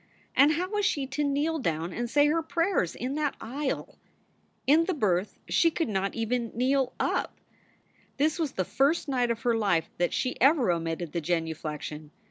And how was she to kneel down and say her prayers in that aisle? In the berth she could not even kneel up. This was the first night of her life that she ever omitted that genu flection.